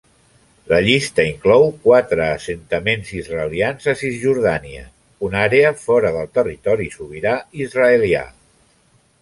La llista inclou quatre assentaments israelians a Cisjordània, una àrea fora del territori sobirà israelià.